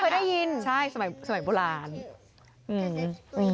เคยได้ยินใช่สมัยโบราณอืม